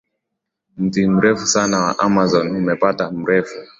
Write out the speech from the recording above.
Mti Mrefu Sana wa Amazon Umepata mrefu